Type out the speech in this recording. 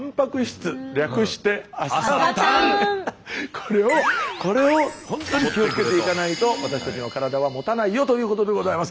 これをほんとに気をつけていかないと私たちの体はもたないよということでございます。